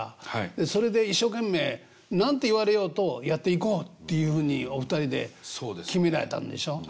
でそれで一生懸命何て言われようとやっていこうっていうふうにお二人で決められたんでしょ？